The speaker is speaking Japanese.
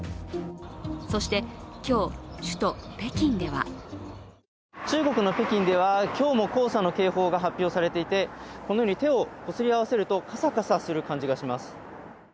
そして今日、首都・北京では中国の北京では今日も黄砂の警報が発表されていてこのように手をこすり合わせるとカサカサする感じがします。